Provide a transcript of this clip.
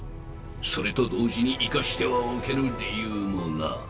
それと同時に生かしてはおけぬ理由もな。